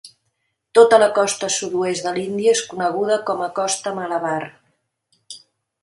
Tota la costa sud-oest de l'Índia és coneguda com a Costa Malabar.